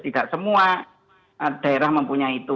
tidak semua daerah mempunyai itu